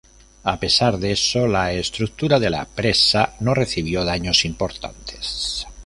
A pesar de eso, la estructura de la presa no recibió daños importantes.